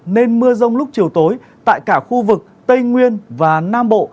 nên mưa rông lúc chiều tối tại cả khu vực tây nguyên và nam bộ